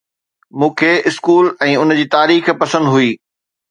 مون کي اسڪول ۽ ان جي تاريخ پسند هئي